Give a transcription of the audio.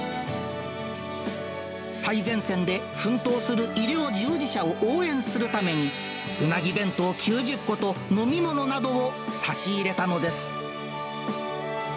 最前線で奮闘する医療従事者を応援するために、うなぎ弁当９０個と飲み物などを差し入れたのです。